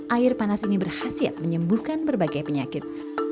air panas ini berhasil menyembuhkan berbagai penyakit